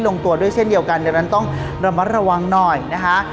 ลงตัวด้วยเช่นเดียวกันดังนั้นต้องระมัดระวังหน่อยนะคะ